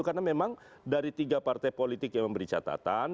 karena memang dari tiga partai politik yang memberi catatan